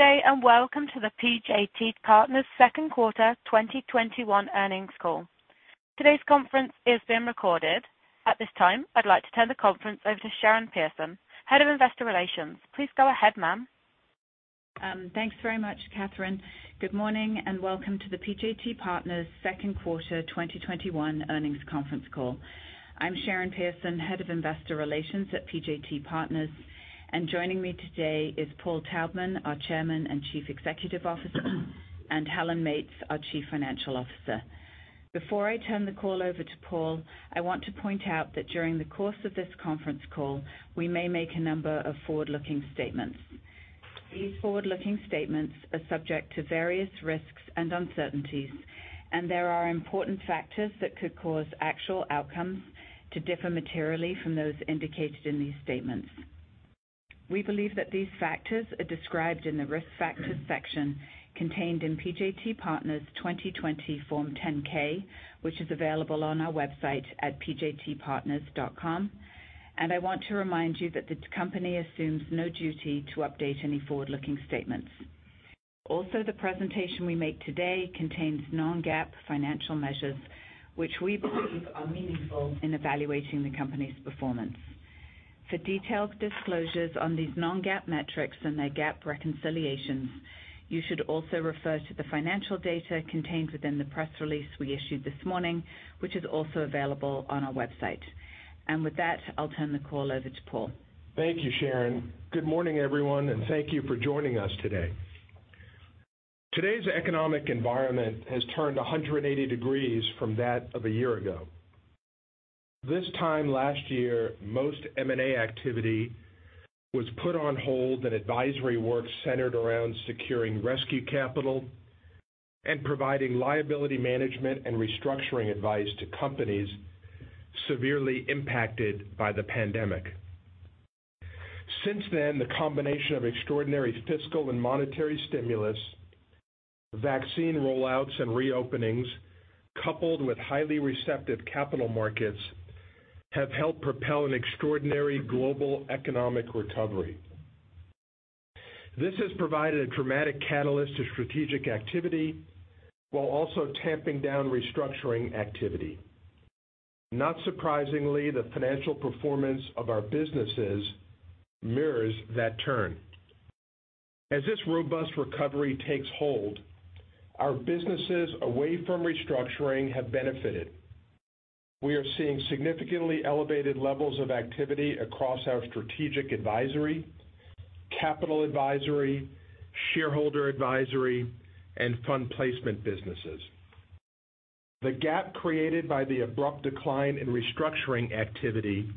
Good day and welcome to the PJT Partners' Second Quarter 2021 Earnings Call. Today's conference is being recorded. At this time, I'd like to turn the conference over to Sharon Pearson, Head of Investor Relations. Please go ahead, ma'am. Thanks very much, Catherine. Good morning and welcome to the PJT Partners' Second Quarter 2021 Earnings Conference Call. I'm Sharon Pearson, Head of Investor Relations at PJT Partners, and joining me today is Paul Taubman, our Chairman and Chief Executive Officer, and Helen Meates, our Chief Financial Officer. Before I turn the call over to Paul, I want to point out that during the course of this conference call, we may make a number of forward-looking statements. These forward-looking statements are subject to various risks and uncertainties, and there are important factors that could cause actual outcomes to differ materially from those indicated in these statements. We believe that these factors are described in the risk factors section contained in PJT Partners' 2020 Form 10-K, which is available on our website at pjtpartners.com. And I want to remind you that the company assumes no duty to update any forward-looking statements. Also, the presentation we make today contains non-GAAP financial measures, which we believe are meaningful in evaluating the company's performance. For detailed disclosures on these non-GAAP metrics and their GAAP reconciliations, you should also refer to the financial data contained within the press release we issued this morning, which is also available on our website, and with that, I'll turn the call over to Paul. Thank you, Sharon. Good morning, everyone, and thank you for joining us today. Today's economic environment has turned 180 degrees from that of a year ago. This time last year, most M&A activity was put on hold and advisory work centered around securing rescue capital and providing liability management and restructuring advice to companies severely impacted by the pandemic. Since then, the combination of extraordinary fiscal and monetary stimulus, vaccine rollouts and reopenings, coupled with highly receptive capital markets, have helped propel an extraordinary global economic recovery. This has provided a dramatic catalyst to strategic activity while also tamping down restructuring activity. Not surprisingly, the financial performance of our businesses mirrors that turn. As this robust recovery takes hold, our businesses away from restructuring have benefited. We are seeing significantly elevated levels of activity across our strategic advisory, capital advisory, shareholder advisory, and fund placement businesses. The gap created by the abrupt decline in restructuring activity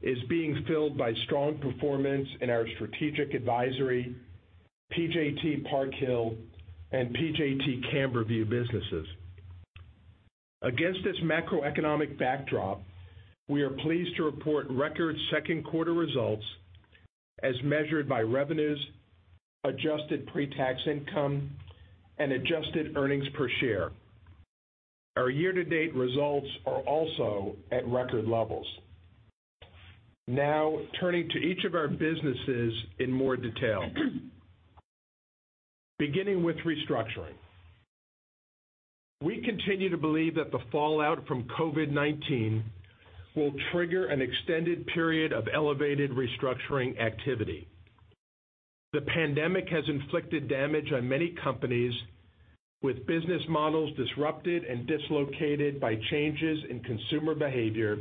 is being filled by strong performance in our Strategic Advisory, PJT Park Hill, and PJT Camberview businesses. Against this macroeconomic backdrop, we are pleased to report record second quarter results as measured by revenues, adjusted pre-tax income, and adjusted earnings per share. Our year-to-date results are also at record levels. Now, turning to each of our businesses in more detail, beginning with Restructuring. We continue to believe that the fallout from COVID-19 will trigger an extended period of elevated restructuring activity. The pandemic has inflicted damage on many companies, with business models disrupted and dislocated by changes in consumer behavior,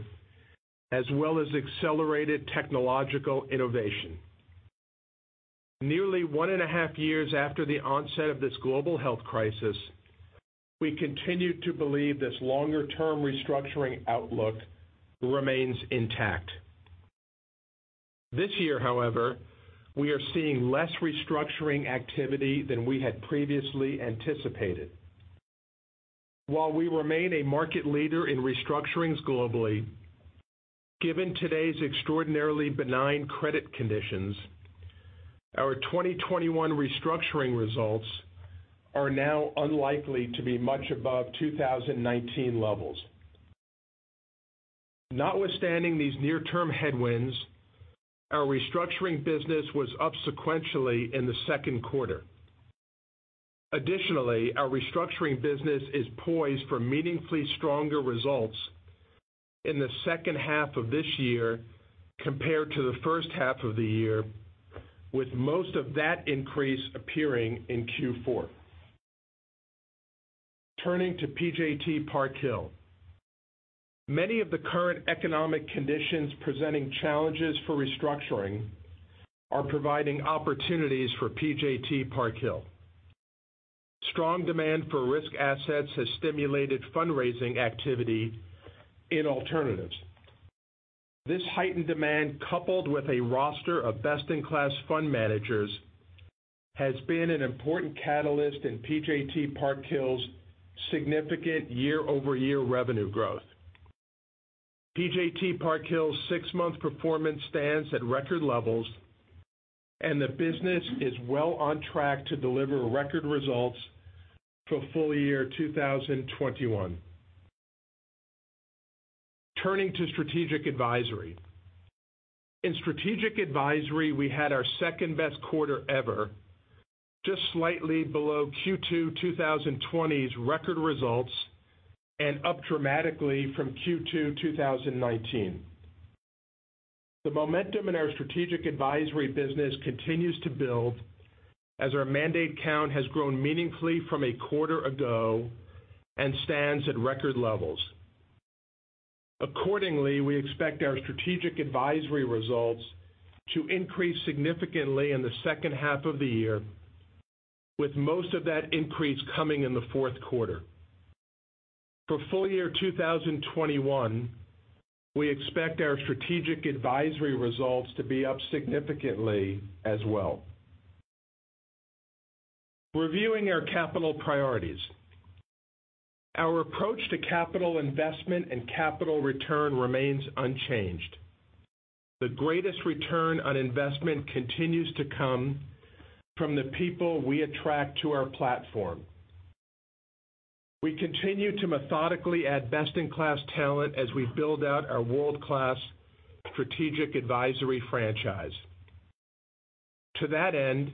as well as accelerated technological innovation. Nearly one and a half years after the onset of this global health crisis, we continue to believe this longer-term restructuring outlook remains intact. This year, however, we are seeing less restructuring activity than we had previously anticipated. While we remain a market leader in restructurings globally, given today's extraordinarily benign credit conditions, our 2021 restructuring results are now unlikely to be much above 2019 levels. Notwithstanding these near-term headwinds, our restructuring business was up sequentially in the second quarter. Additionally, our restructuring business is poised for meaningfully stronger results in the second half of this year compared to the first half of the year, with most of that increase appearing in Q4. Turning to PJT Park Hill, many of the current economic conditions presenting challenges for restructuring are providing opportunities for PJT Park Hill. Strong demand for risk assets has stimulated fundraising activity in alternatives. This heightened demand, coupled with a roster of best-in-class fund managers, has been an important catalyst in PJT Park Hill's significant year-over-year revenue growth. PJT Park Hill's six-month performance stands at record levels, and the business is well on track to deliver record results for full year 2021. Turning to Strategic Advisory. In Strategic Advisory, we had our second-best quarter ever, just slightly below Q2 2020's record results and up dramatically from Q2 2019. The momentum in our Strategic Advisory business continues to build, as our mandate count has grown meaningfully from a quarter ago and stands at record levels. Accordingly, we expect our Strategic Advisory results to increase significantly in the second half of the year, with most of that increase coming in the fourth quarter. For full year 2021, we expect our Strategic Advisory results to be up significantly as well. Reviewing our capital priorities. Our approach to capital investment and capital return remains unchanged. The greatest return on investment continues to come from the people we attract to our platform. We continue to methodically add best-in-class talent as we build out our world-class strategic advisory franchise. To that end,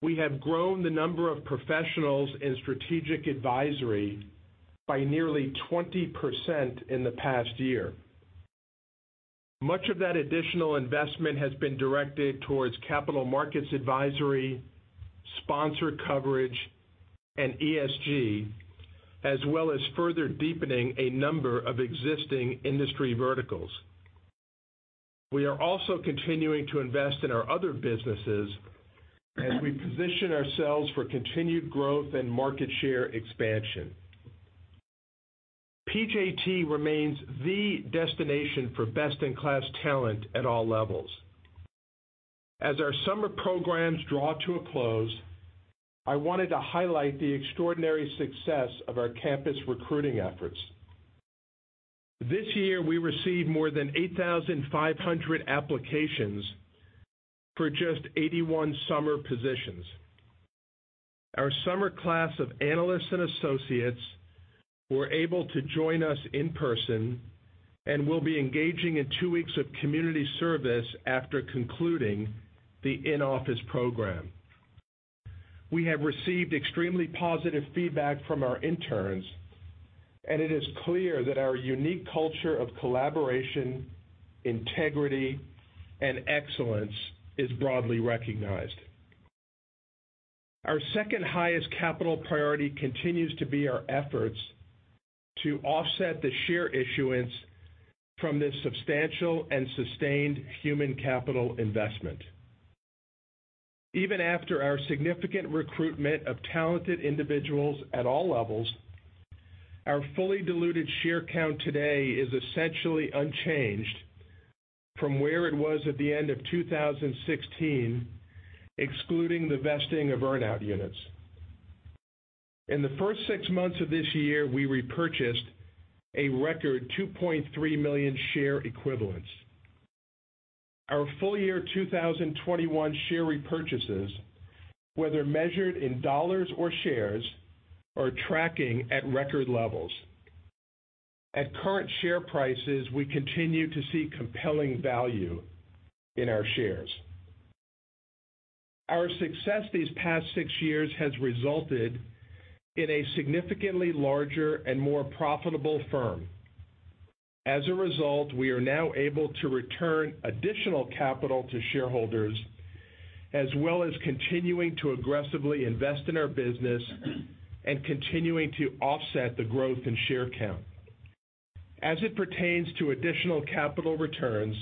we have grown the number of professionals in strategic advisory by nearly 20% in the past year. Much of that additional investment has been directed towards capital markets advisory, sponsor coverage, and ESG, as well as further deepening a number of existing industry verticals. We are also continuing to invest in our other businesses as we position ourselves for continued growth and market share expansion. PJT remains the destination for best-in-class talent at all levels. As our summer programs draw to a close, I wanted to highlight the extraordinary success of our campus recruiting efforts. This year, we received more than 8,500 applications for just 81 summer positions. Our summer class of analysts and associates were able to join us in person and will be engaging in two weeks of community service after concluding the in-office program. We have received extremely positive feedback from our interns, and it is clear that our unique culture of collaboration, integrity, and excellence is broadly recognized. Our second highest capital priority continues to be our efforts to offset the share issuance from this substantial and sustained human capital investment. Even after our significant recruitment of talented individuals at all levels, our fully diluted share count today is essentially unchanged from where it was at the end of 2016, excluding the vesting of earnout units. In the first six months of this year, we repurchased a record 2.3 million share equivalents. Our full year 2021 share repurchases, whether measured in dollars or shares, are tracking at record levels. At current share prices, we continue to see compelling value in our shares. Our success these past six years has resulted in a significantly larger and more profitable firm. As a result, we are now able to return additional capital to shareholders, as well as continuing to aggressively invest in our business and continuing to offset the growth in share count. As it pertains to additional capital returns,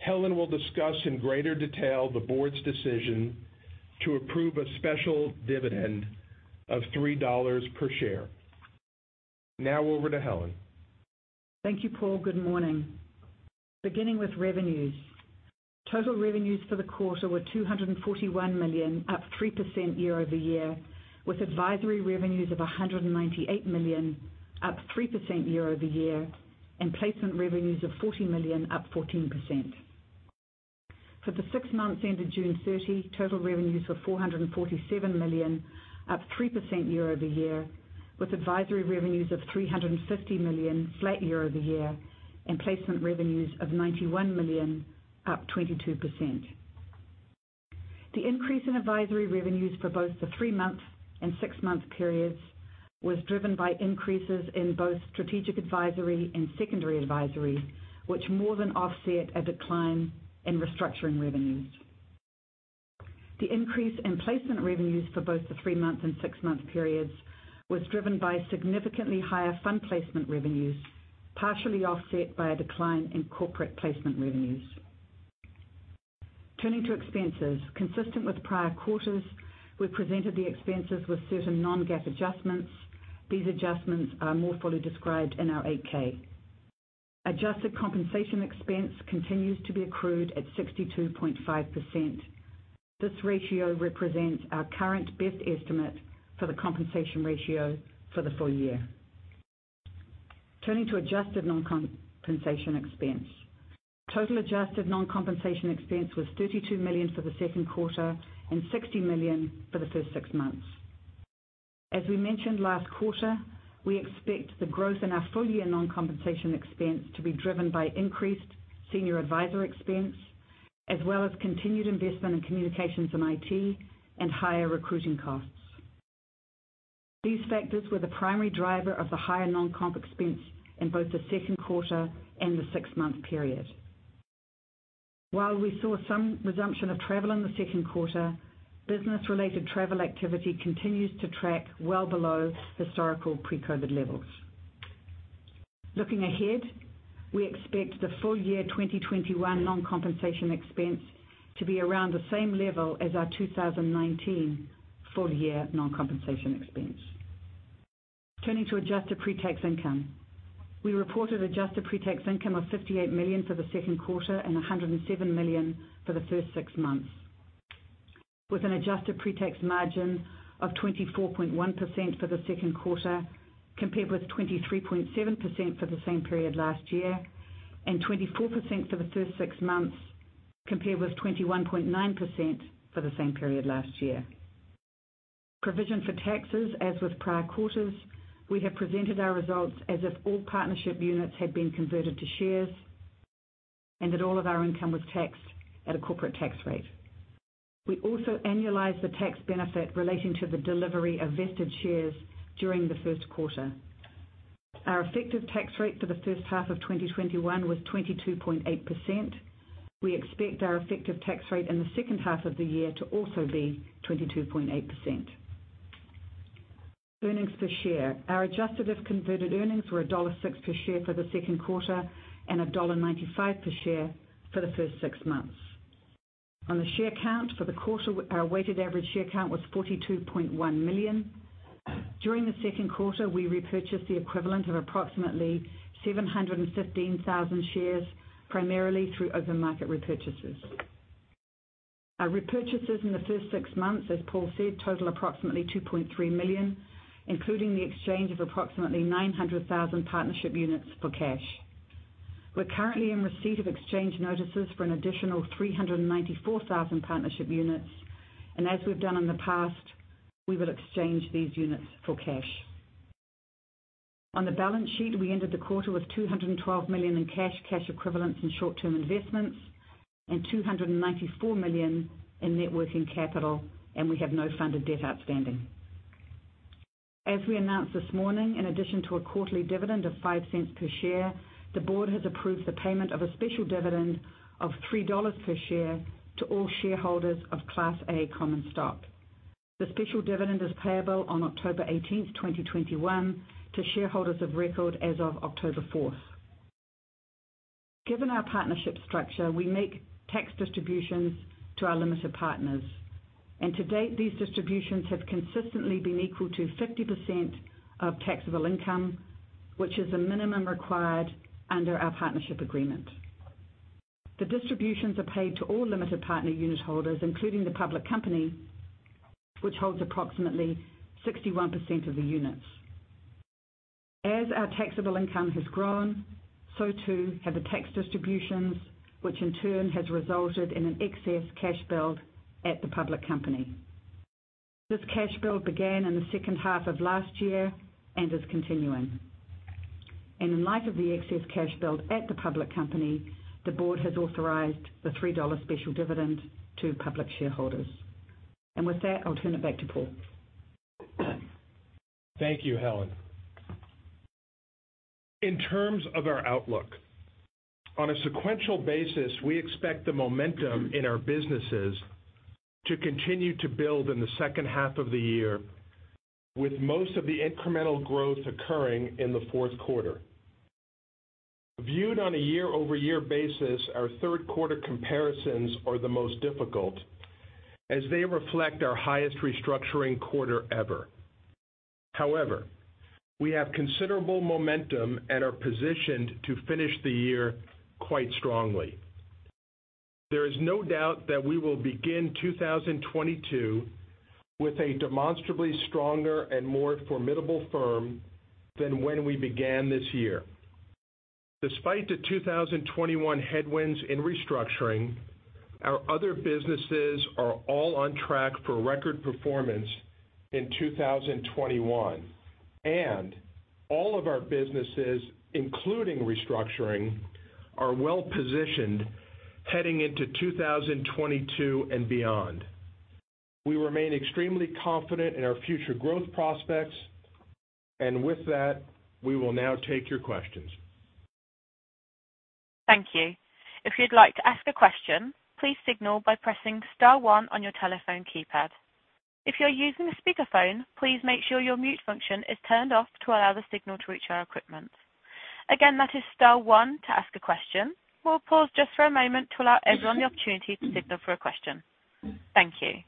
Helen will discuss in greater detail the board's decision to approve a special dividend of $3 per share. Now, over to Helen. Thank you, Paul. Good morning. Beginning with revenues. Total revenues for the quarter were $241 million, up 3% year-over-year, with advisory revenues of $198 million, up 3% year-over-year, and placement revenues of $40 million, up 14%. For the six months ended June 30, total revenues were $447 million, up 3% year-over-year, with advisory revenues of $350 million, flat year-over-year, and placement revenues of $91 million, up 22%. The increase in advisory revenues for both the three-month and six-month periods was driven by increases in both strategic advisory and secondary advisory, which more than offset a decline in restructuring revenues. The increase in placement revenues for both the three-month and six-month periods was driven by significantly higher fund placement revenues, partially offset by a decline in corporate placement revenues. Turning to expenses, consistent with prior quarters, we presented the expenses with certain non-GAAP adjustments. These adjustments are more fully described in our 8-K. Adjusted compensation expense continues to be accrued at 62.5%. This ratio represents our current best estimate for the compensation ratio for the full year. Turning to adjusted non-compensation expense. Total adjusted non-compensation expense was $32 million for the second quarter and $60 million for the first six months. As we mentioned last quarter, we expect the growth in our full year non-compensation expense to be driven by increased senior advisor expense, as well as continued investment in communications and IT and higher recruiting costs. These factors were the primary driver of the higher non-comp expense in both the second quarter and the six-month period. While we saw some resumption of travel in the second quarter, business-related travel activity continues to track well below historical pre-COVID levels. Looking ahead, we expect the full year 2021 non-compensation expense to be around the same level as our 2019 full year non-compensation expense. Turning to adjusted pre-tax income. We reported adjusted pre-tax income of $58 million for the second quarter and $107 million for the first six months, with an adjusted pre-tax margin of 24.1% for the second quarter, compared with 23.7% for the same period last year, and 24% for the first six months, compared with 21.9% for the same period last year. Provision for taxes, as with prior quarters, we have presented our results as if all partnership units had been converted to shares and that all of our income was taxed at a corporate tax rate. We also annualized the tax benefit relating to the delivery of vested shares during the first quarter. Our effective tax rate for the first half of 2021 was 22.8%. We expect our effective tax rate in the second half of the year to also be 22.8%. Earnings per share. Our adjusted if converted earnings were $1.06 per share for the second quarter and $1.95 per share for the first six months. On the share count for the quarter, our weighted average share count was 42.1 million. During the second quarter, we repurchased the equivalent of approximately 715,000 shares, primarily through open market repurchases. Our repurchases in the first six months, as Paul said, total approximately 2.3 million, including the exchange of approximately 900,000 partnership units for cash. We're currently in receipt of exchange notices for an additional 394,000 partnership units, and as we've done in the past, we will exchange these units for cash. On the balance sheet, we ended the quarter with $212 million in cash, cash equivalents and short-term investments, and $294 million in net working capital, and we have no funded debt outstanding. As we announced this morning, in addition to a quarterly dividend of $0.05 per share, the board has approved the payment of a special dividend of $3 per share to all shareholders of Class A Common Stock. The special dividend is payable on October 18th, 2021, to shareholders of record as of October 4th. Given our partnership structure, we make tax distributions to our limited partners, and to date, these distributions have consistently been equal to 50% of taxable income, which is the minimum required under our partnership agreement. The distributions are paid to all limited partner unit holders, including the public company, which holds approximately 61% of the units. As our taxable income has grown, so too have the tax distributions, which in turn has resulted in an excess cash build at the public company. This cash build began in the second half of last year and is continuing. And in light of the excess cash build at the public company, the board has authorized the $3 special dividend to public shareholders. And with that, I'll turn it back to Paul. Thank you, Helen. In terms of our outlook, on a sequential basis, we expect the momentum in our businesses to continue to build in the second half of the year, with most of the incremental growth occurring in the fourth quarter. Viewed on a year-over-year basis, our third quarter comparisons are the most difficult, as they reflect our highest restructuring quarter ever. However, we have considerable momentum and are positioned to finish the year quite strongly. There is no doubt that we will begin 2022 with a demonstrably stronger and more formidable firm than when we began this year. Despite the 2021 headwinds in restructuring, our other businesses are all on track for record performance in 2021, and all of our businesses, including restructuring, are well positioned heading into 2022 and beyond. We remain extremely confident in our future growth prospects, and with that, we will now take your questions. Thank you. If you'd like to ask a question, please signal by pressing star one on your telephone keypad. If you're using a speakerphone, please make sure your mute function is turned off to allow the signal to reach our equipment. Again, that is star one to ask a question. We'll pause just for a moment to allow everyone the opportunity to signal for a question. Thank you.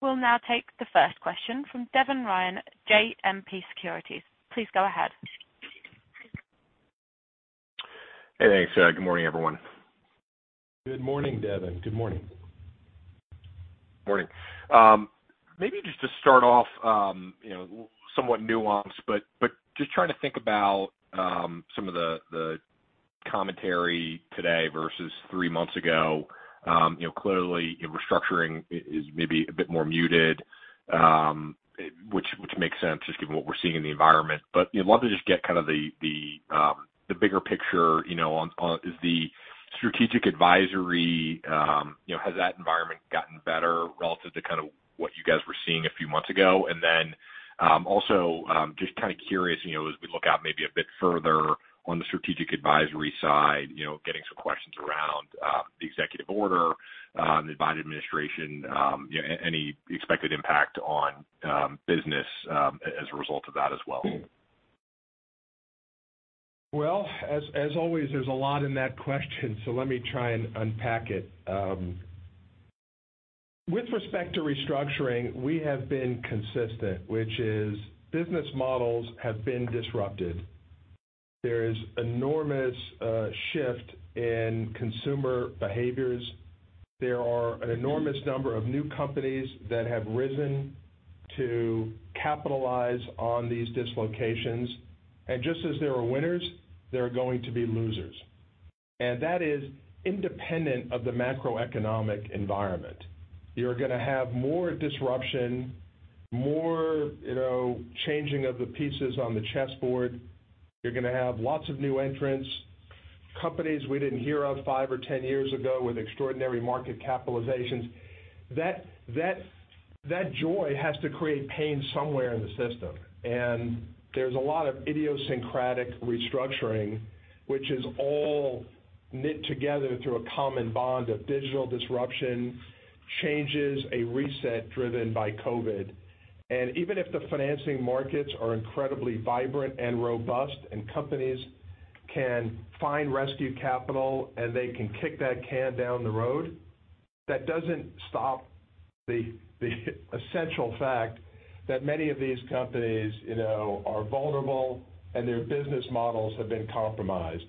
We'll now take the first question from Devin Ryan, JMP Securities. Please go ahead. Hey, thanks. Good morning, everyone. Good morning, Devin. Good morning. Morning. Maybe just to start off somewhat nuanced, but just trying to think about some of the commentary today versus three months ago. Clearly, Restructuring is maybe a bit more muted, which makes sense just given what we're seeing in the environment. But I'd love to just get kind of the bigger picture. Is the Strategic Advisory. Has that environment gotten better relative to kind of what you guys were seeing a few months ago? And then also just kind of curious, as we look out maybe a bit further on the Strategic Advisory side, getting some questions around the executive order, the Biden administration, any expected impact on business as a result of that as well? As always, there's a lot in that question, so let me try and unpack it. With respect to restructuring, we have been consistent, which is business models have been disrupted. There is an enormous shift in consumer behaviors. There are an enormous number of new companies that have risen to capitalize on these dislocations. And just as there are winners, there are going to be losers. And that is independent of the macroeconomic environment. You're going to have more disruption, more changing of the pieces on the chessboard. You're going to have lots of new entrants, companies we didn't hear of five or ten years ago with extraordinary market capitalizations. That has to create pain somewhere in the system. And there's a lot of idiosyncratic restructuring, which is all knit together through a common bond of digital disruption, changes, a reset driven by COVID. Even if the financing markets are incredibly vibrant and robust and companies can find rescue capital and they can kick that can down the road, that doesn't stop the essential fact that many of these companies are vulnerable and their business models have been compromised.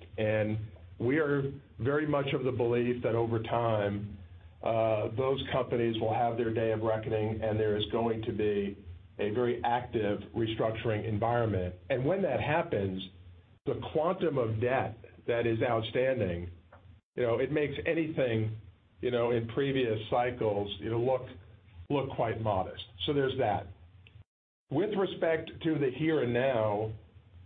We are very much of the belief that over time, those companies will have their day of reckoning and there is going to be a very active restructuring environment. When that happens, the quantum of debt that is outstanding. It makes anything in previous cycles look quite modest. There's that. With respect to the here and now,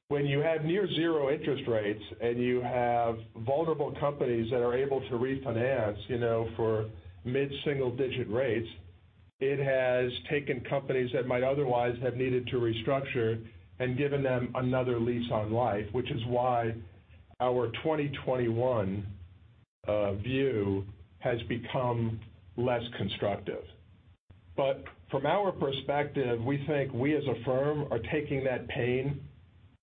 when you have near zero interest rates and you have vulnerable companies that are able to refinance for mid-single-digit rates, it has taken companies that might otherwise have needed to restructure and given them another lease on life, which is why our 2021 view has become less constructive, but from our perspective, we think we as a firm are taking that pain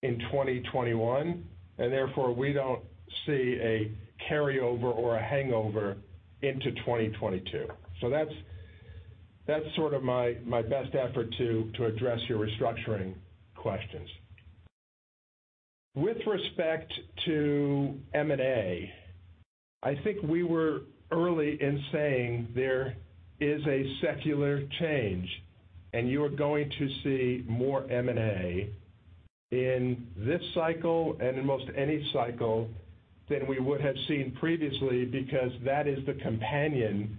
in 2021, and therefore we don't see a carryover or a hangover into 2022, so that's sort of my best effort to address your restructuring questions. With respect to M&A, I think we were early in saying there is a secular change, and you are going to see more M&A in this cycle and in most any cycle than we would have seen previously because that is the companion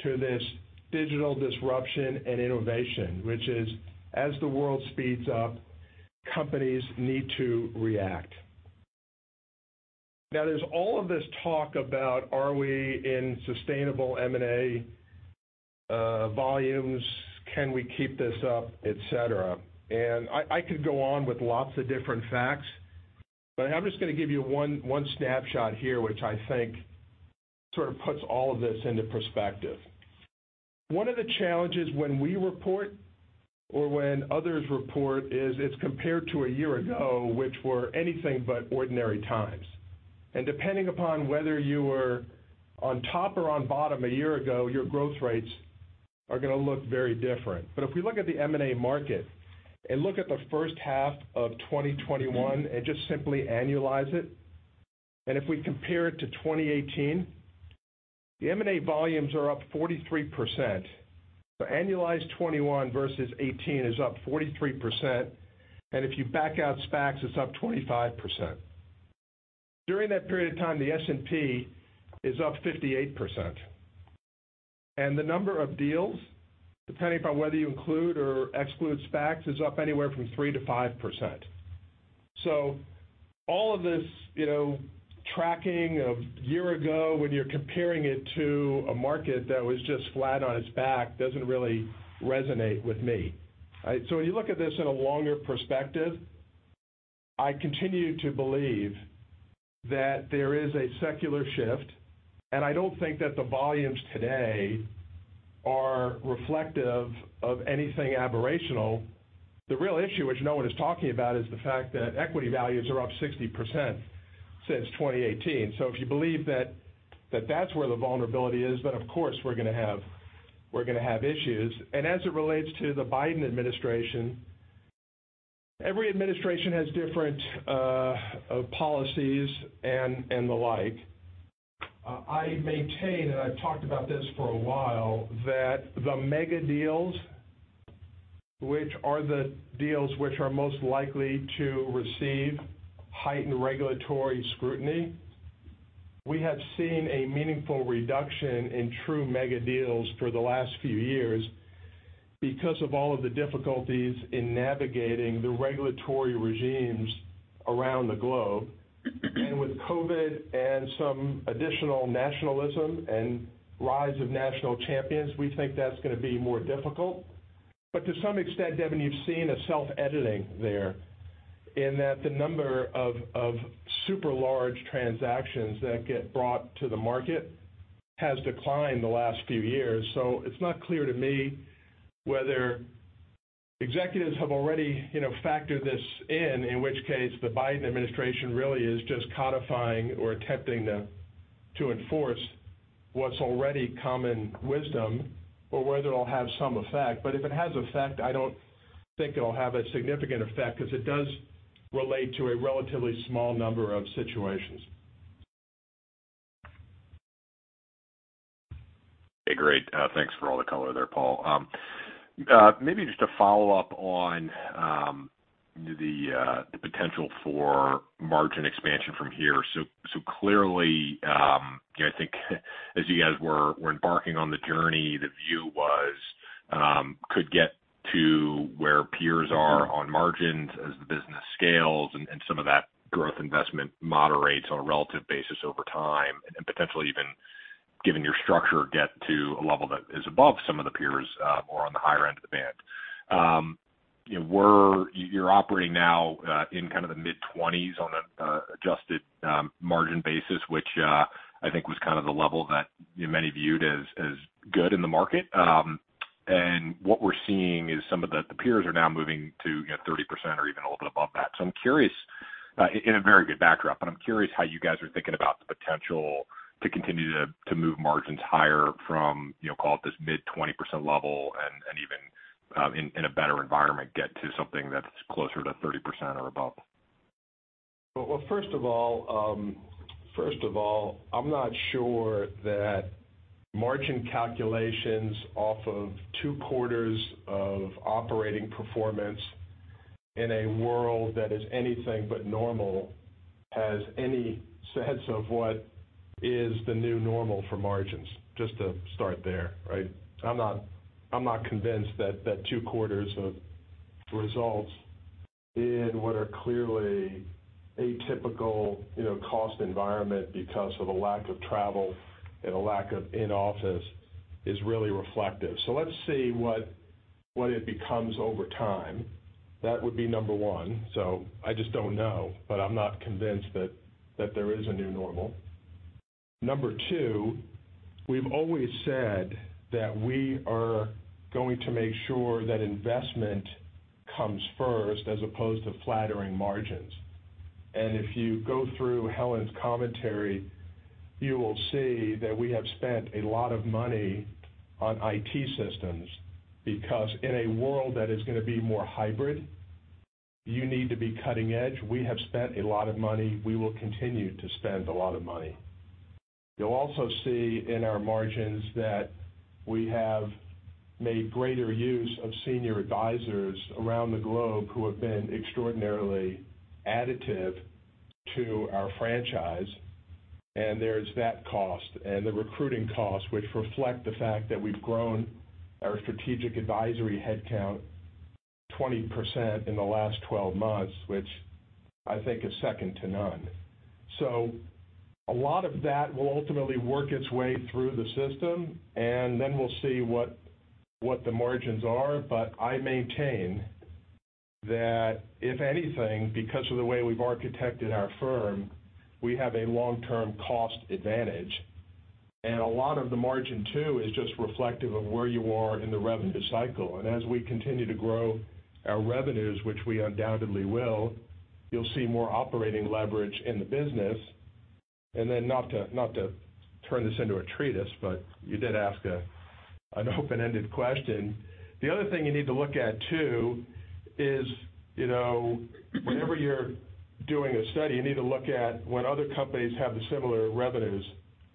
to this digital disruption and innovation, which is as the world speeds up, companies need to react. Now, there's all of this talk about, are we in sustainable M&A volumes? Can we keep this up, etc., and I could go on with lots of different facts, but I'm just going to give you one snapshot here, which I think sort of puts all of this into perspective. One of the challenges when we report or when others report is it's compared to a year ago, which were anything but ordinary times. And depending upon whether you were on top or on bottom a year ago, your growth rates are going to look very different. But if we look at the M&A market and look at the first half of 2021 and just simply annualize it, and if we compare it to 2018, the M&A volumes are up 43%. So annualized 2021 versus 2018 is up 43%, and if you back out SPACs, it's up 25%. During that period of time, the S&P is up 58%. And the number of deals, depending upon whether you include or exclude SPACs, is up anywhere from 3%-5%. So all of this tracking of a year ago when you're comparing it to a market that was just flat on its back doesn't really resonate with me. So when you look at this in a longer perspective, I continue to believe that there is a secular shift, and I don't think that the volumes today are reflective of anything aberrational. The real issue, which no one is talking about, is the fact that equity values are up 60% since 2018. So if you believe that that's where the vulnerability is, then of course we're going to have issues. And as it relates to the Biden administration, every administration has different policies and the like. I maintain, and I've talked about this for a while, that the mega deals, which are the deals which are most likely to receive heightened regulatory scrutiny, we have seen a meaningful reduction in true mega deals for the last few years because of all of the difficulties in navigating the regulatory regimes around the globe. And with COVID and some additional nationalism and rise of national champions, we think that's going to be more difficult. But to some extent, Devin, you've seen a self-editing there in that the number of super large transactions that get brought to the market has declined the last few years. So it's not clear to me whether executives have already factored this in, in which case the Biden administration really is just codifying or attempting to enforce what's already common wisdom or whether it'll have some effect. But if it has effect, I don't think it'll have a significant effect because it does relate to a relatively small number of situations. Okay, great. Thanks for all the color there, Paul. Maybe just a follow-up on the potential for margin expansion from here. So clearly, I think as you guys were embarking on the journey, the view was could get to where peers are on margins as the business scales and some of that growth investment moderates on a relative basis over time and potentially even given your structure get to a level that is above some of the peers or on the higher end of the band. You're operating now in kind of the mid-20s on an adjusted margin basis, which I think was kind of the level that many viewed as good in the market. And what we're seeing is some of the peers are now moving to 30% or even a little bit above that. I'm curious, in a very good backdrop, but I'm curious how you guys are thinking about the potential to continue to move margins higher from, call it this mid-20% level and even in a better environment get to something that's closer to 30% or above. Well, first of all, I'm not sure that margin calculations off of two quarters of operating performance in a world that is anything but normal has any sense of what is the new normal for margins, just to start there, right? I'm not convinced that two quarters of results in what are clearly an atypical cost environment because of a lack of travel and a lack of in-office is really reflective, so let's see what it becomes over time. That would be number one, so I just don't know, but I'm not convinced that there is a new normal. Number two, we've always said that we are going to make sure that investment comes first as opposed to flattering margins. And if you go through Helen's commentary, you will see that we have spent a lot of money on IT systems because in a world that is going to be more hybrid, you need to be cutting edge. We have spent a lot of money. We will continue to spend a lot of money. You'll also see in our margins that we have made greater use of senior advisors around the globe who have been extraordinarily additive to our franchise. And there is that cost and the recruiting cost, which reflect the fact that we've grown our strategic advisory headcount 20% in the last 12 months, which I think is second to none. So a lot of that will ultimately work its way through the system, and then we'll see what the margins are. But I maintain that if anything, because of the way we've architected our firm, we have a long-term cost advantage. And a lot of the margin too is just reflective of where you are in the revenue cycle. And as we continue to grow our revenues, which we undoubtedly will, you'll see more operating leverage in the business. And then not to turn this into a treatise, but you did ask an open-ended question. The other thing you need to look at too is whenever you're doing a study, you need to look at when other companies have the similar revenues,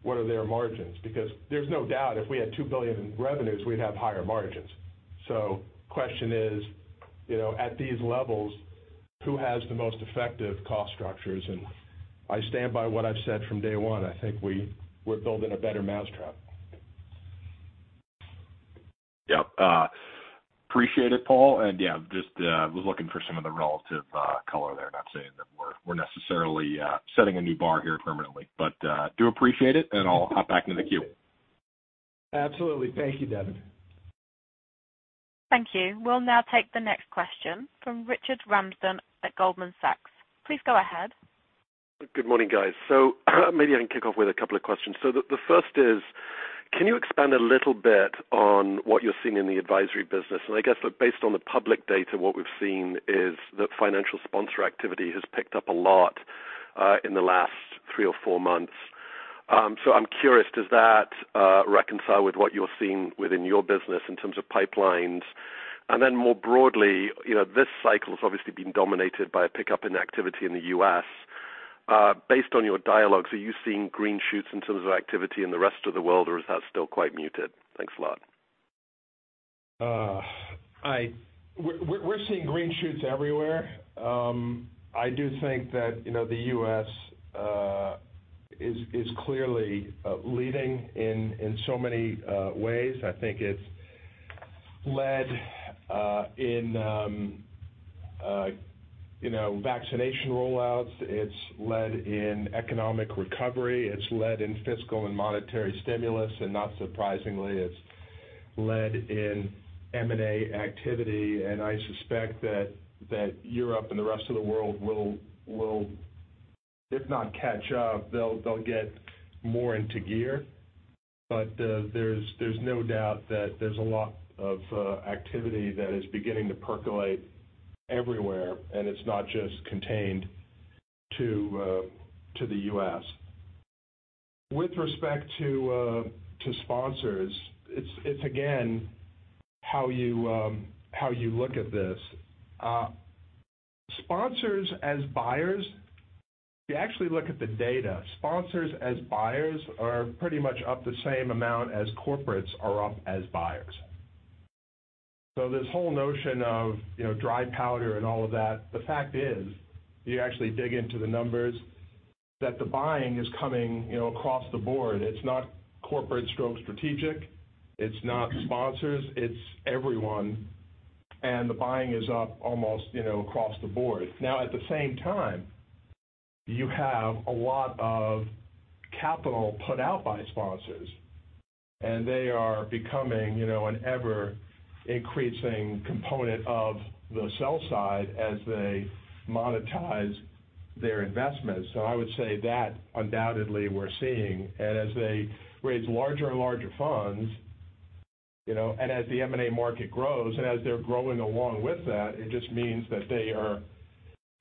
what are their margins? Because there's no doubt if we had $2 billion in revenues, we'd have higher margins. So the question is, at these levels, who has the most effective cost structures? And I stand by what I've said from day one. I think we're building a better mousetrap. Yep. Appreciate it, Paul. And yeah, just was looking for some of the relative color there. Not saying that we're necessarily setting a new bar here permanently, but do appreciate it, and I'll hop back into the queue. Absolutely. Thank you, Devin. Thank you. We'll now take the next question from Richard Ramsden at Goldman Sachs. Please go ahead. Good morning, guys. So maybe I can kick off with a couple of questions. So the first is, can you expand a little bit on what you're seeing in the advisory business? And I guess based on the public data, what we've seen is that financial sponsor activity has picked up a lot in the last three or four months. So I'm curious, does that reconcile with what you're seeing within your business in terms of pipelines? And then more broadly, this cycle has obviously been dominated by a pickup in activity in the U.S. Based on your dialogue, are you seeing green shoots in terms of activity in the rest of the world, or is that still quite muted? Thanks a lot. We're seeing green shoots everywhere. I do think that the U.S. is clearly leading in so many ways. I think it's led in vaccination rollouts. It's led in economic recovery. It's led in fiscal and monetary stimulus. And not surprisingly, it's led in M&A activity. And I suspect that Europe and the rest of the world will, if not catch up, they'll get more into gear. But there's no doubt that there's a lot of activity that is beginning to percolate everywhere, and it's not just contained to the U.S. With respect to sponsors, it's again how you look at this. Sponsors as buyers, you actually look at the data. Sponsors as buyers are pretty much up the same amount as corporates are up as buyers. So this whole notion of dry powder and all of that, the fact is, you actually dig into the numbers that the buying is coming across the board. It's not corporate strategic. It's not sponsors. It's everyone. And the buying is up almost across the board. Now, at the same time, you have a lot of capital put out by sponsors, and they are becoming an ever-increasing component of the sell side as they monetize their investments. So I would say that undoubtedly we're seeing. And as they raise larger and larger funds and as the M&A market grows and as they're growing along with that, it just means that they are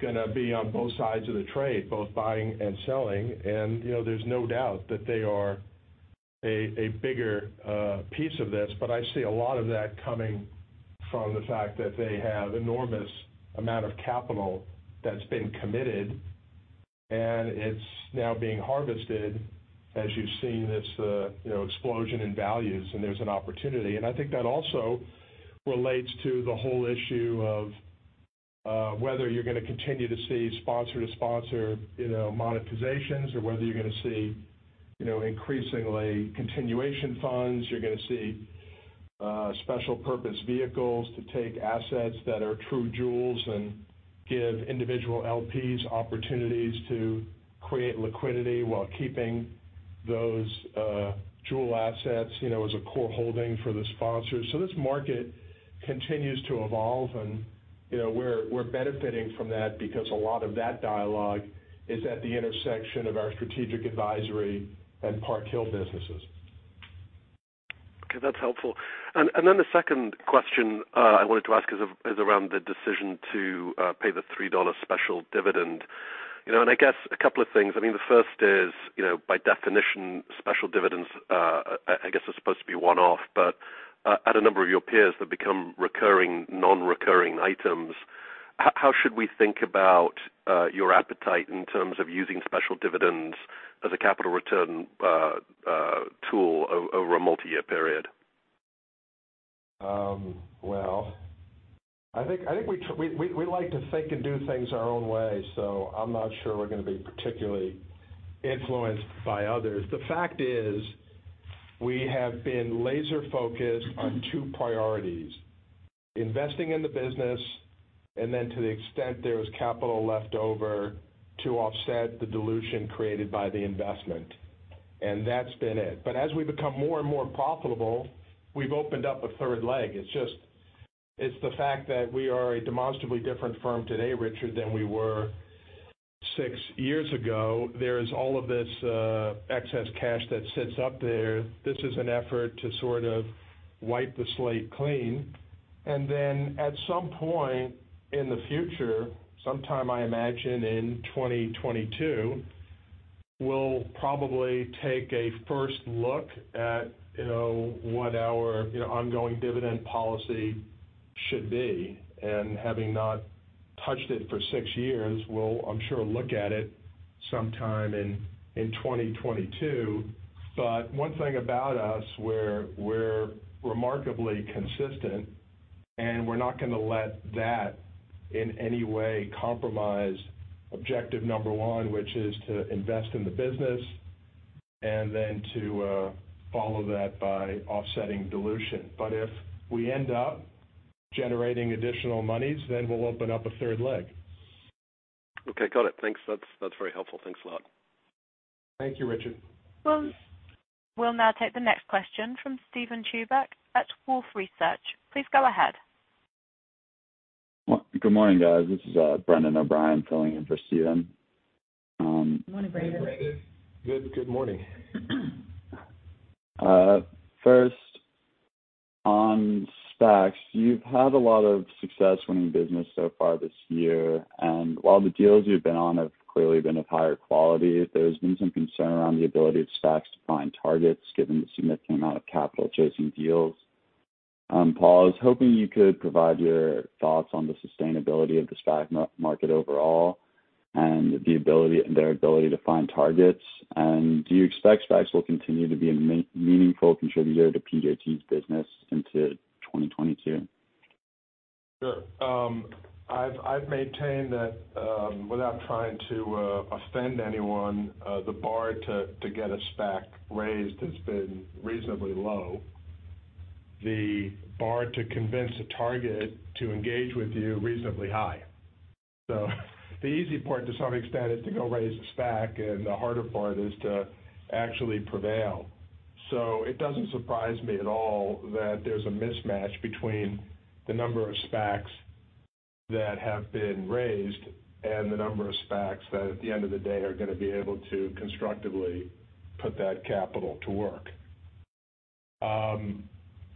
going to be on both sides of the trade, both buying and selling. And there's no doubt that they are a bigger piece of this. But I see a lot of that coming from the fact that they have an enormous amount of capital that's been committed, and it's now being harvested as you've seen this explosion in values, and there's an opportunity. And I think that also relates to the whole issue of whether you're going to continue to see sponsor-to-sponsor monetizations or whether you're going to see increasingly continuation funds. You're going to see special purpose vehicles to take assets that are true jewels and give individual LPs opportunities to create liquidity while keeping those jewel assets as a core holding for the sponsors. So this market continues to evolve, and we're benefiting from that because a lot of that dialogue is at the intersection of our Strategic Advisory and Park Hill businesses. Okay, that's helpful, and then the second question I wanted to ask is around the decision to pay the $3 special dividend, and I guess a couple of things. I mean, the first is, by definition, special dividends, I guess, are supposed to be one-off, but at a number of your peers, they become recurring, non-recurring items. How should we think about your appetite in terms of using special dividends as a capital return tool over a multi-year period? Well, I think we like to think and do things our own way, so I'm not sure we're going to be particularly influenced by others. The fact is we have been laser-focused on two priorities: investing in the business and then to the extent there is capital left over to offset the dilution created by the investment. And that's been it. But as we become more and more profitable, we've opened up a third leg. It's the fact that we are a demonstrably different firm today, Richard, than we were six years ago. There is all of this excess cash that sits up there. This is an effort to sort of wipe the slate clean. And then at some point in the future, sometime I imagine in 2022, we'll probably take a first look at what our ongoing dividend policy should be. Having not touched it for six years, we'll, I'm sure, look at it sometime in 2022. One thing about us, we're remarkably consistent, and we're not going to let that in any way compromise objective number one, which is to invest in the business and then to follow that by offsetting dilution. If we end up generating additional monies, then we'll open up a third leg. Okay, got it. Thanks. That's very helpful. Thanks a lot. Thank you, Richard. We'll now take the next question from Steven Chubak at Wolfe Research. Please go ahead. Good morning, guys. This is Brendan O'Brien filling in for Steven. Good morning, Brendan. Good morning. First, on SPACs, you've had a lot of success winning business so far this year. And while the deals you've been on have clearly been of higher quality, there's been some concern around the ability of SPACs to find targets given the significant amount of capital chasing deals. Paul, I was hoping you could provide your thoughts on the sustainability of the SPAC market overall and their ability to find targets. And do you expect SPACs will continue to be a meaningful contributor to PJT's business into 2022? Sure. I've maintained that without trying to offend anyone, the bar to get a SPAC raised has been reasonably low. The bar to convince a target to engage with you is reasonably high. So the easy part to some extent is to go raise a SPAC, and the harder part is to actually prevail. So it doesn't surprise me at all that there's a mismatch between the number of SPACs that have been raised and the number of SPACs that at the end of the day are going to be able to constructively put that capital to work.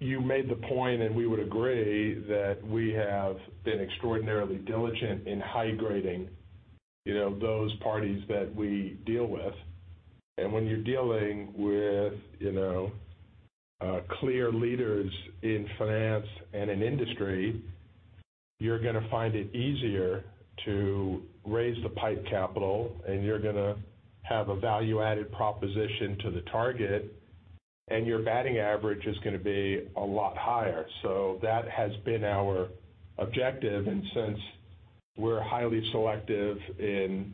You made the point, and we would agree that we have been extraordinarily diligent in high-grading those parties that we deal with. When you're dealing with clear leaders in finance and in industry, you're going to find it easier to raise the PIPE capital, and you're going to have a value-added proposition to the target, and your batting average is going to be a lot higher. That has been our objective. Since we're highly selective in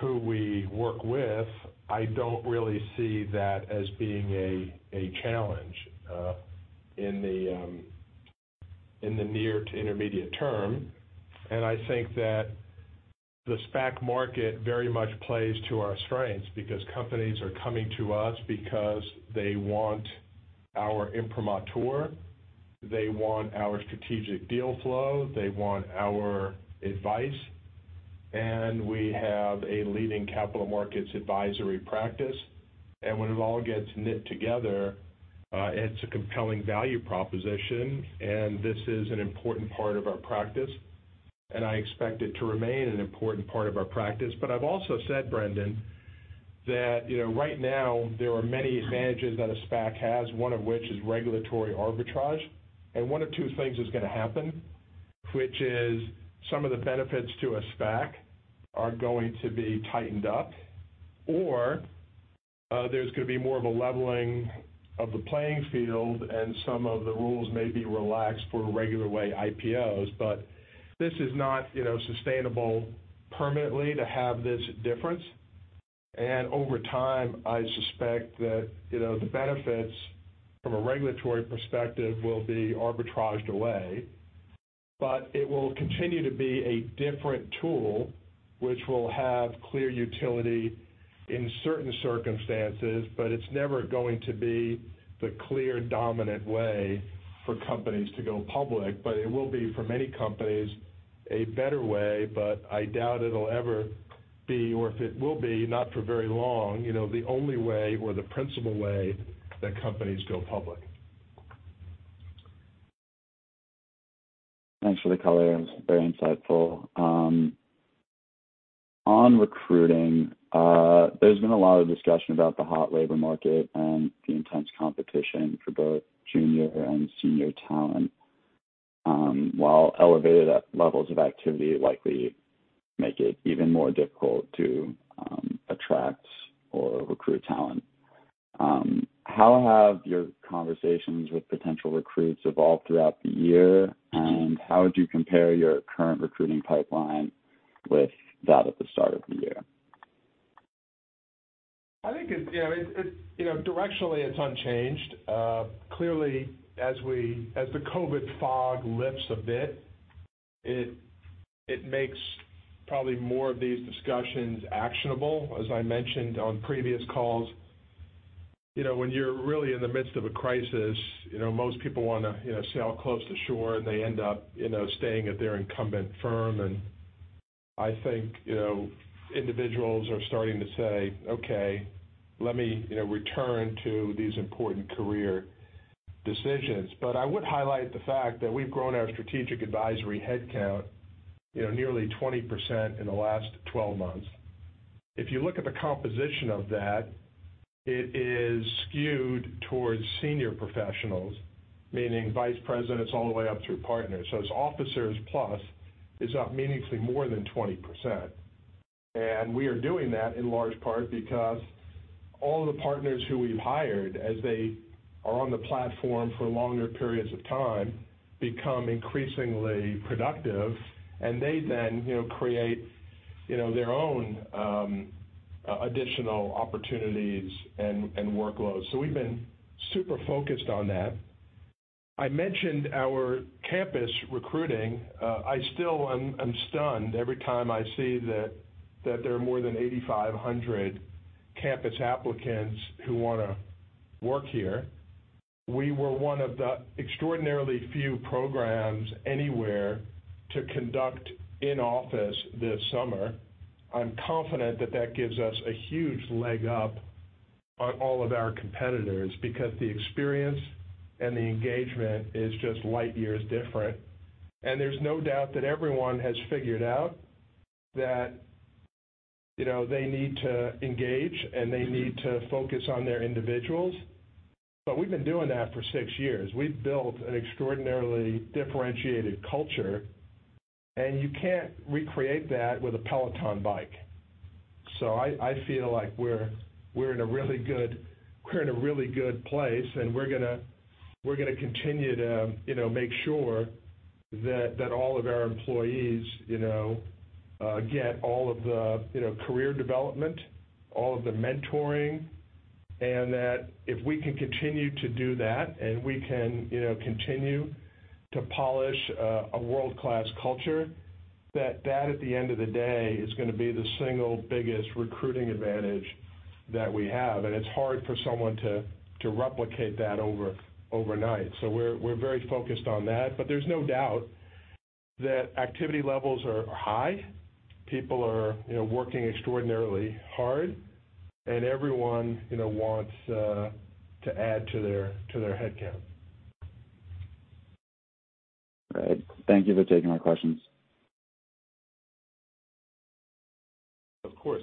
who we work with, I don't really see that as being a challenge in the near to intermediate term. I think that the SPAC market very much plays to our strengths because companies are coming to us because they want our imprimatur. They want our strategic deal flow. They want our advice. We have a leading capital markets advisory practice. When it all gets knit together, it's a compelling value proposition. This is an important part of our practice. I expect it to remain an important part of our practice. But I've also said, Brendan, that right now, there are many advantages that a SPAC has, one of which is regulatory arbitrage. And one of two things is going to happen, which is some of the benefits to a SPAC are going to be tightened up, or there's going to be more of a leveling of the playing field, and some of the rules may be relaxed for regular way IPOs. But this is not sustainable permanently to have this difference. And over time, I suspect that the benefits from a regulatory perspective will be arbitraged away. But it will continue to be a different tool, which will have clear utility in certain circumstances. But it's never going to be the clear dominant way for companies to go public. But it will be, for many companies, a better way. But I doubt it'll ever be, or if it will be, not for very long, the only way or the principal way that companies go public. Thanks for the color. It was very insightful. On recruiting, there's been a lot of discussion about the hot labor market and the intense competition for both junior and senior talent, while elevated levels of activity likely make it even more difficult to attract or recruit talent. How have your conversations with potential recruits evolved throughout the year, and how would you compare your current recruiting pipeline with that at the start of the year? I think it's directionally, it's unchanged. Clearly, as the COVID fog lifts a bit, it makes probably more of these discussions actionable. As I mentioned on previous calls, when you're really in the midst of a crisis, most people want to sail close to shore, and they end up staying at their incumbent firm. And I think individuals are starting to say, "Okay, let me return to these important career decisions." But I would highlight the fact that we've grown our strategic advisory headcount nearly 20% in the last 12 months. If you look at the composition of that, it is skewed towards senior professionals, meaning vice presidents all the way up through partners. So it's officers plus is up meaningfully more than 20%. We are doing that in large part because all of the partners who we've hired, as they are on the platform for longer periods of time, become increasingly productive, and they then create their own additional opportunities and workloads. So we've been super focused on that. I mentioned our campus recruiting. I still am stunned every time I see that there are more than 8,500 campus applicants who want to work here. We were one of the extraordinarily few programs anywhere to conduct in-office this summer. I'm confident that that gives us a huge leg up on all of our competitors because the experience and the engagement is just light years different. There's no doubt that everyone has figured out that they need to engage, and they need to focus on their individuals. But we've been doing that for six years. We've built an extraordinarily differentiated culture. You can't recreate that with a Peloton bike. So I feel like we're in a really good place, and we're going to continue to make sure that all of our employees get all of the career development, all of the mentoring, and that if we can continue to do that and we can continue to polish a world-class culture, that at the end of the day is going to be the single biggest recruiting advantage that we have. And it's hard for someone to replicate that overnight. So we're very focused on that. But there's no doubt that activity levels are high. People are working extraordinarily hard, and everyone wants to add to their headcount. All right. Thank you for taking my questions. Of course.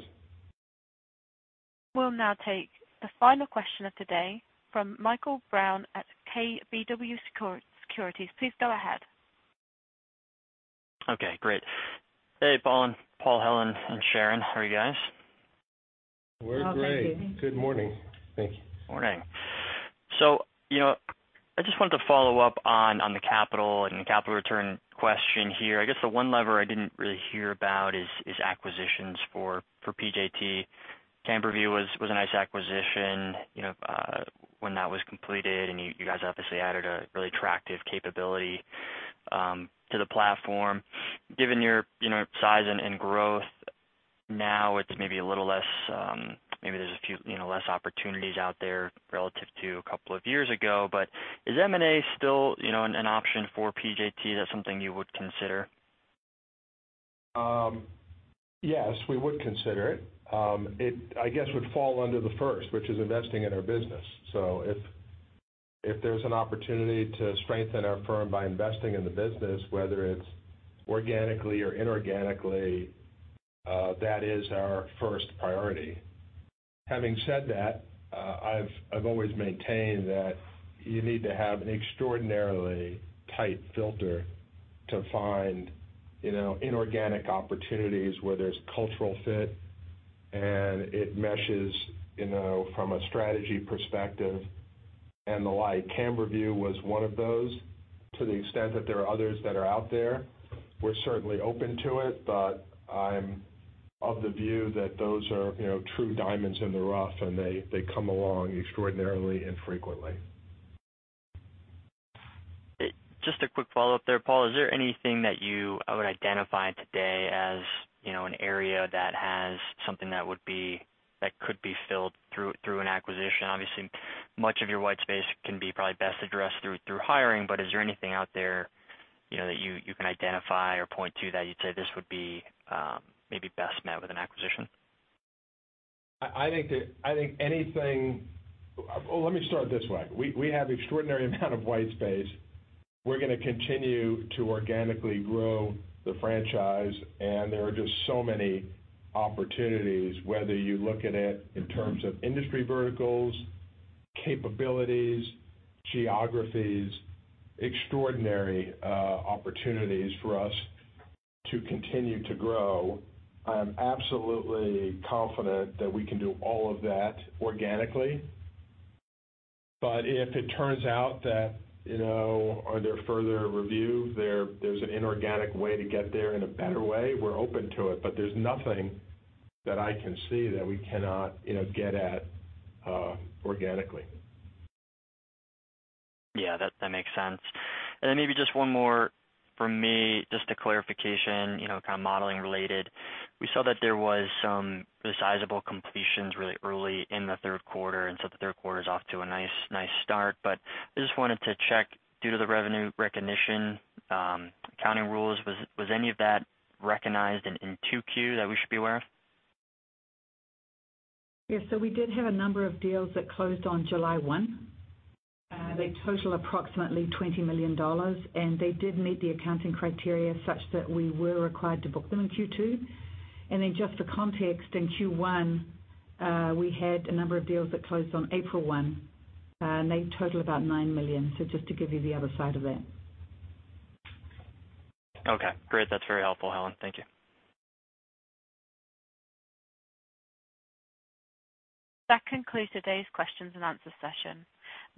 We'll now take the final question of the day from Michael Brown at KBW Securities. Please go ahead. Okay, great. Hey, Paul, Helen, and Sharon, how are you guys? We're great. Good morning. Thank you. Morning. So I just wanted to follow up on the capital and capital return question here. I guess the one lever I didn't really hear about is acquisitions for PJT Camberview. That was a nice acquisition when that was completed, and you guys obviously added a really attractive capability to the platform. Given your size and growth, now it's maybe a little less maybe there's a few less opportunities out there relative to a couple of years ago. But is M&A still an option for PJT? Is that something you would consider? Yes, we would consider it. I guess it would fall under the first, which is investing in our business. So if there's an opportunity to strengthen our firm by investing in the business, whether it's organically or inorganically, that is our first priority. Having said that, I've always maintained that you need to have an extraordinarily tight filter to find inorganic opportunities where there's cultural fit and it meshes from a strategy perspective and the like. Camberview was one of those to the extent that there are others that are out there. We're certainly open to it, but I'm of the view that those are true diamonds in the rough, and they come along extraordinarily infrequently. Just a quick follow-up there, Paul. Is there anything that you would identify today as an area that has something that could be filled through an acquisition? Obviously, much of your white space can be probably best addressed through hiring, but is there anything out there that you can identify or point to that you'd say this would be maybe best met with an acquisition? Well, let me start this way. We have an extraordinary amount of white space. We're going to continue to organically grow the franchise, and there are just so many opportunities, whether you look at it in terms of industry verticals, capabilities, geographies, extraordinary opportunities for us to continue to grow. I am absolutely confident that we can do all of that organically. But if it turns out that under further review, there's an inorganic way to get there in a better way, we're open to it. But there's nothing that I can see that we cannot get at organically. Yeah, that makes sense. And then maybe just one more from me, just a clarification, kind of modeling related. We saw that there were some sizable completions really early in the third quarter, and so the third quarter is off to a nice start. But I just wanted to check, due to the revenue recognition, accounting rules, was any of that recognized in 2Q that we should be aware of? Yes. So we did have a number of deals that closed on July 1. They total approximately $20 million, and they did meet the accounting criteria such that we were required to book them in Q2. And then just for context, in Q1, we had a number of deals that closed on April 1, and they total about $9 million. So just to give you the other side of that. Okay. Great. That's very helpful, Helen. Thank you. That concludes today's questions and answers session.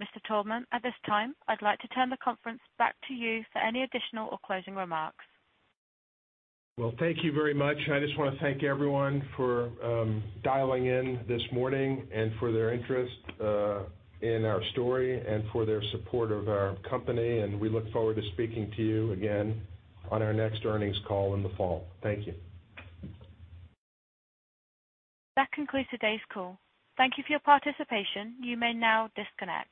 Mr. Taubman, at this time, I'd like to turn the conference back to you for any additional or closing remarks. Thank you very much. I just want to thank everyone for dialing in this morning and for their interest in our story and for their support of our company. We look forward to speaking to you again on our next earnings call in the fall. Thank you. That concludes today's call. Thank you for your participation. You may now disconnect.